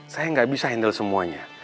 saya nggak bisa handle semuanya